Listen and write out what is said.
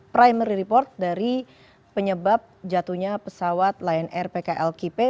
primary report dari penyebab jatuhnya pesawat lion air pkl kipe